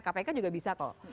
kpk juga bisa kok